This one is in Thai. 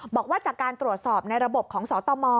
บอกว่าจากการตรวจสอบในระบบของสตม